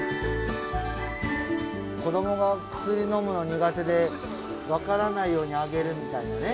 子どもが薬のむの苦手で分からないようにあげるみたいなね。